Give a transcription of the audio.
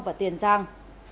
và tiền giang